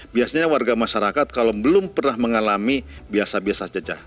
biasanya warga masyarakat kalau belum pernah mengalami biasa biasa jejak